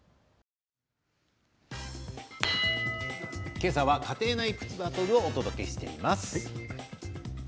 今朝は家庭内プチバトルをお伝えしています。